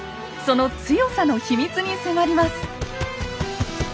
その強さの秘密に迫ります。